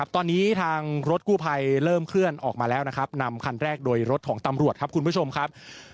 ตอนนี้ทางรถกู้ภัยเริ่มเคลื่อนออกมาแล้วนะครับนำคันแรกโดยรถของตำรวจครับคุณผู้ชมครับ